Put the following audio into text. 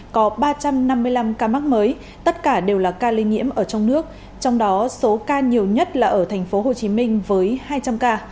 có ba trăm năm mươi năm ca mắc mới tất cả đều là ca lây nhiễm ở trong nước trong đó số ca nhiều nhất là ở thành phố hồ chí minh với hai trăm linh ca